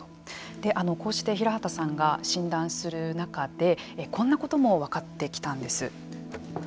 こうして平畑さんが診断する中でこんなことも分かってきたんです。